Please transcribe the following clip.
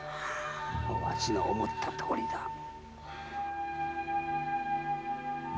わしの思ったとおりだ。